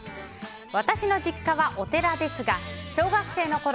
私の実家はお寺ですが小学生のころ